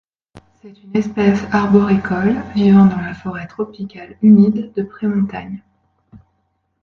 C'est une espèce arboricole vivant dans la forêt tropicale humide de pré-montagne.